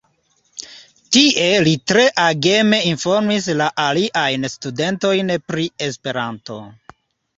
Tie li tre ageme informis la aliajn studentojn pri Esperanto.